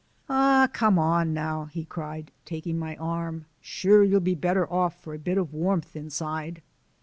"Aw, come on now," he cried, taking my arm. "Sure you'll be better off for a bit o' warmth inside."